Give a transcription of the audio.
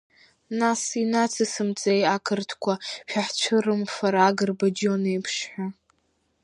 Нас инацсымҵеи ақырҭқәа шәаҳцәырымфар Агрба Џьон иеиԥш ҳәа!